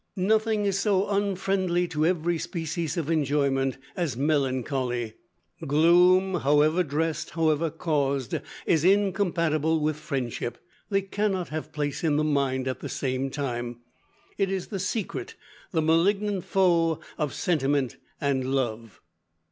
"Nothing is so unfriendly to every species of enjoyment as melancholy. Gloom, however dressed, however caused, is incompatible with friendship. They cannot have place in the mind at the same time. It is the secret, the malignant foe of sentiment and love."